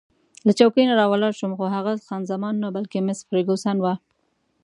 له چوکۍ نه راولاړ شوم، خو هغه خان زمان نه، بلکې مس فرګوسن وه.